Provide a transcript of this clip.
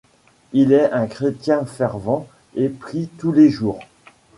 Il est un chrétien fervent et prie tous les jours.